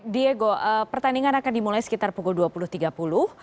diego pertandingan akan dimulai sekitar pukul dua puluh tiga puluh